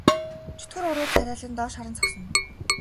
Чөтгөр уруу царайлан доош харж зогсоно.